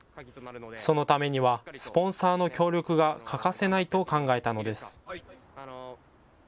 そのためにはスポンサーの協力が欠かせないと考えたのです。